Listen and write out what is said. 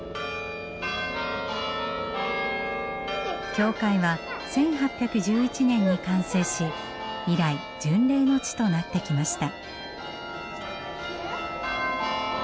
教会は１８１１年に完成し以来巡礼の地となってきました。